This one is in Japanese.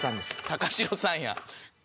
高城さんや。